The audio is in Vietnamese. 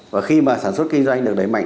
và khi mà sản xuất kinh doanh được đẩy mạnh